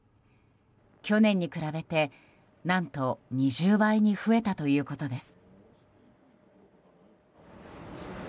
去年に比べて、何と２０倍に増えたということです。